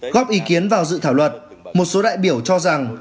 góp ý kiến vào dự thảo luật một số đại biểu cho rằng